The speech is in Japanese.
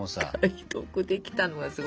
解読できたのがすごい。